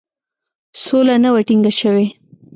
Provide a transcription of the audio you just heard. سوله نه وه ټینګه شوې.